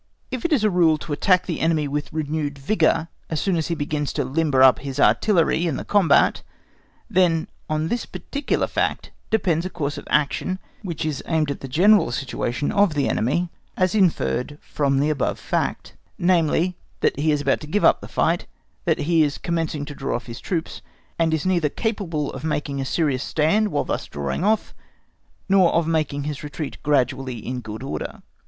If it is a rule to attack the enemy with renewed vigour, as soon as he begins to limber up his artillery in the combat, then on this particular fact depends a course of action which is aimed at the general situation of the enemy as inferred from the above fact, namely, that he is about to give up the fight, that he is commencing to draw off his troops, and is neither capable of making a serious stand while thus drawing off nor of making his retreat gradually in good order.